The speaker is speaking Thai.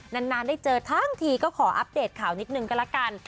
นานได้เจอทั้งทีก็ขออัปเดตข่าวนิดนึงก็ละกัน